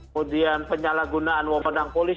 kemudian penyalahgunaan wabak wabak polis